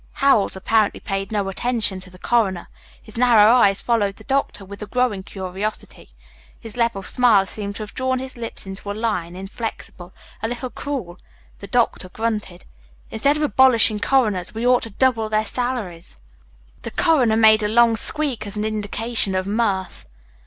Howells apparently paid no attention to the coroner. His narrow eyes followed the doctor with a growing curiosity. His level smile seemed to have drawn his lips into a line, inflexible, a little cruel. The doctor grunted: "Instead of abolishing coroners we ought to double their salaries." The coroner made a long squeak as an indication of mirth.